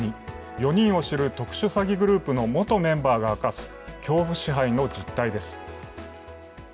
４人を知る特殊詐欺グループの元メンバーが明かす恐怖支配の実態です。